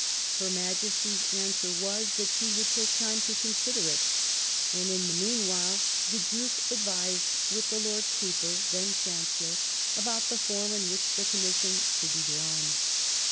Her Majesty's answer was, that she would take time to consider it; and, in the mean while, the Duke advised with the Lord Cowper, then Chancellor, about the form in which the commission should be drawn.